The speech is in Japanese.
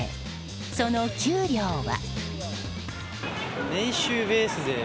その給料は。